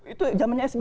itu zamannya sby